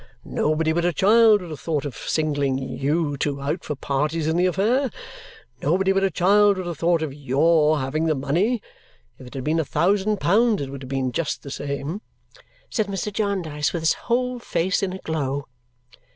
Nobody but a child would have thought of singling YOU two out for parties in the affair! Nobody but a child would have thought of YOUR having the money! If it had been a thousand pounds, it would have been just the same!" said Mr. Jarndyce with his whole face in a glow.